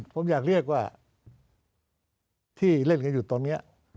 ผมอยากเรียกว่าที่เล่นกันอยู่ตอนนี้